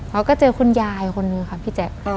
แล้วก็เจอคุณยายคนนึงค่ะพี่แจ๊ค